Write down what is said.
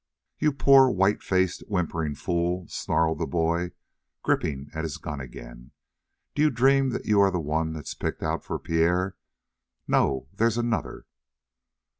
"You poor, white faced, whimpering fool," snarled the boy, gripping at his gun again, "d'you dream that you're the one that's picked out for Pierre? No, there's another!"